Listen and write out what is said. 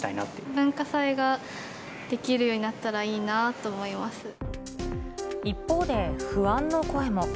文化祭ができるようになった一方で、不安の声も。